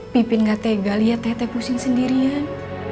pipin gak tega liat teteh pusing sendirian